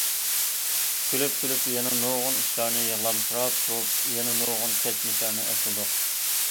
كۈلۈپ- كۈلۈپ يەنە نۇرغۇن ئىشلارنى، يىغلامسىراپ تۇرۇپ يەنە نۇرغۇن كەچمىشلەرنى ئەسلىدۇق.